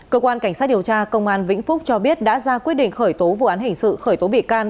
cơ quan cảnh sát điều tra công an vĩnh phúc cho biết đã ra quyết định khởi tố vụ án hình sự khởi tố bị can